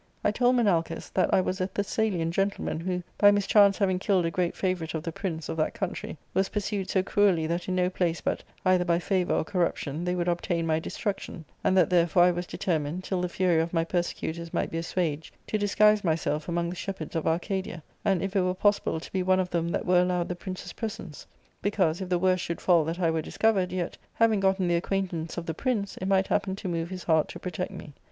I told Menalcas that I was a Thessalian gentleman, who, by mischance having killed a great favourite of the prince of that country, was pursued so cruelly that in no place but, either by favour or corruption, they would obtain my de struction ; and that therefore I was determined, till the fury of my persecutors ipight be assuaged, to disguise myself among the shepherds of Arcadia, and, if it were possible, to be one of them that were allowed the prince's presence ; t^ because, if the worst should fall that I were discovered, yet, having gotten the acquaintance of the prince, it might hap pen to move his heart to protect me.